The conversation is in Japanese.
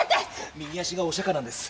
右足がおしゃかなんです。